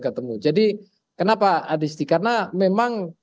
ketemu jadi kenapa adisti karena memang